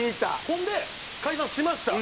ほんで解散しました。